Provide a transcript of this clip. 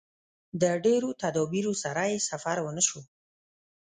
د ډېرو تدابیرو سره یې سفر ونشو.